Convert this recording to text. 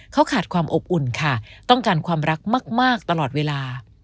เขาขาดความอบอุ่นค่ะต้องการความรักมากตลอดเวลา